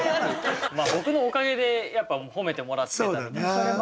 僕のおかげでやっぱ褒めてもらってたみたいなとこが。